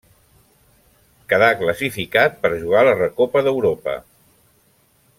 Quedà classificat per jugar la Recopa d'Europa.